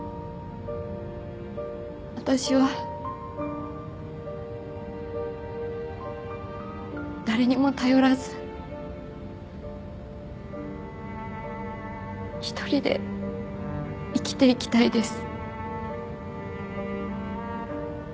私は誰にも頼らず一人で生きていきたいです。